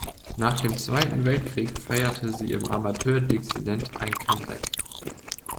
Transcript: Nach dem Zweiten Weltkrieg feierte sie im Amateur-Dixieland ein Comeback.